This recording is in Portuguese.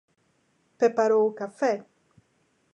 Preparou o café?